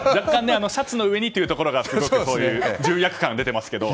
シャツの上にというところが重役感が出ていますけど。